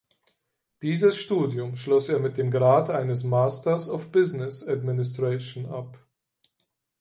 Dieses Studium schloss er mit dem Grad eines Master of Business Administration ab.